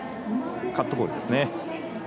カットボールですね。